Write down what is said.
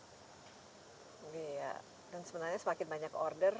iya dan sebenarnya semakin banyak order